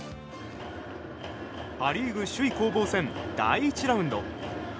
パ・リーグ首位攻防戦第１ラウンド。